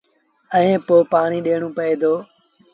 ائيٚݩ پو پآڻيٚ ڏيڻون پئي دو۔